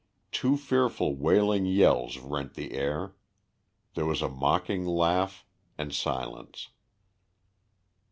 Two fearful wailing yells rent the air; there was a mocking laugh, and silence.